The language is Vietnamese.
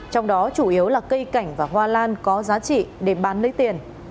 trong đó chủ yếu là cây cảnh và hoa lan có giá trị để bán lấy tiền